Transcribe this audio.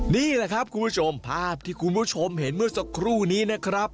นี่แหละครับคุณผู้ชมภาพที่คุณผู้ชมเห็นเมื่อสักครู่นี้นะครับ